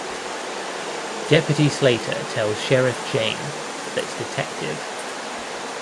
Deputy Slater tells Sheriff Jayne that Det.